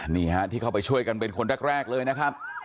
นี่ฮะที่เข้าไปช่วยกันเป็นคนแรกเลยนะครับ